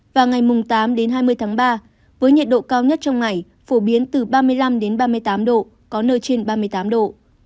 và ngày tám hai mươi tháng ba với nhiệt độ cao nhất trong ngày phổ biến từ ba mươi năm ba mươi tám độ có nơi trên ba mươi tám độ